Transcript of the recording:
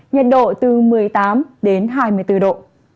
nhiệt độ từ một mươi tám đến hai mươi bốn độ